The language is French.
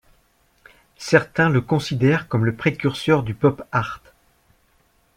Certains le considèrent comme le précurseur du Pop Art.